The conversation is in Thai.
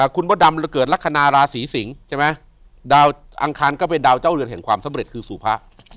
คุณมดดำเกิดลักษณะราศีสิงศ์ใช่ไหมดาวอังคารก็เป็นดาวเจ้าเรือนแห่งความสำเร็จคือสู่พระ